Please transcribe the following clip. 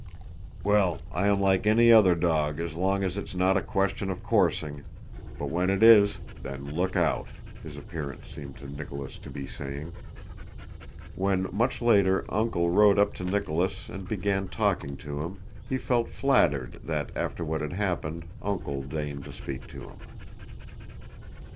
"Well, I am like any other dog as long as it's not a question of coursing. But when it is, then look out!" his appearance seemed to Nicholas to be saying. When, much later, "Uncle" rode up to Nicholas and began talking to him, he felt flattered that, after what had happened, "Uncle" deigned to speak to him.